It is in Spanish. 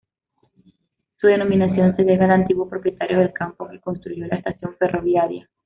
Su denominación se debe al antiguo propietario del campo que construyó la Estación Ferroviaria.